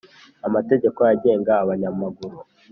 amategeko agenga abanyamaguru